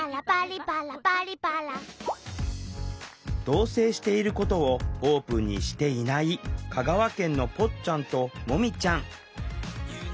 同せいしていることをオープンにしていない香川県のぽっちゃんともみちゃん。